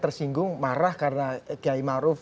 tersinggung marah karena kiai maruf